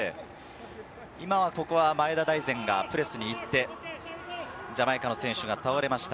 今ここは前田大然がプレスに行って、ジャマイカの選手が倒れました。